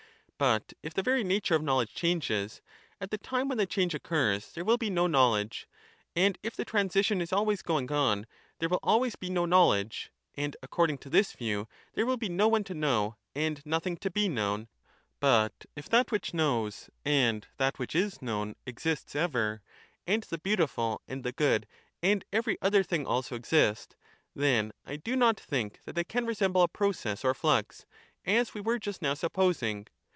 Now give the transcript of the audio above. But if the very nature of knowledge changes, at the time when the change occurs there will be no knowledge ; and if the transition is always going on, there will always be no knowledge, and, according to this view, there will be no one to know and nothing to be known : but if that which knows and that which is known exists ever, and the beautiful and the good and every other thing also exist, then I do not think that they can resemble a process or flux, as we were just now supposing.